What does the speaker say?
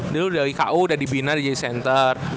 dia udah dari ku udah dibina jadi center